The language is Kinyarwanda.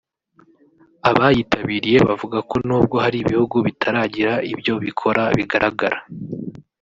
Abayitabiriye bavuga ko n’ubwo hari ibihugu bitaragira ibyo bikora bigaragara